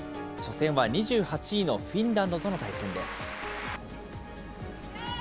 初戦は２８位のフィンランドとの対戦です。